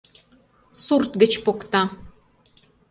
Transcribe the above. Сурт гыч покта...